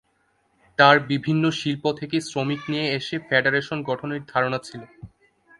তার বিভিন্ন শিল্প থেকে শ্রমিক নিয়ে এসে ফেডারেশন গঠনের ধারণা ছিল।